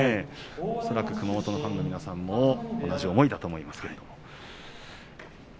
恐らく熊本のファンの皆さんも同じ思いだと思います。